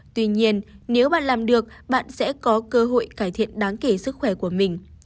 tuy nhiên nếu bạn làm được bạn sẽ có cơ hội cải thiện đáng kể sức khỏe của mình